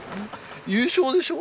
優勝でしょ？